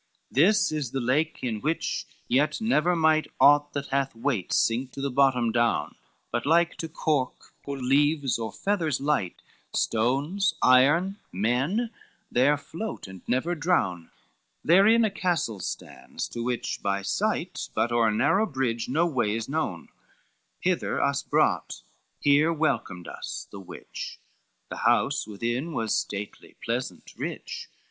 LXII "This is the lake in which yet never might Aught that hath weight sink to the bottom down, But like to cork or leaves or feathers light, Stones, iron, men, there fleet and never drown; Therein a castle stands, to which by sight But o'er a narrow bridge no way is known, Hither us brought, here welcomed us the witch, The house within was stately, pleasant, rich.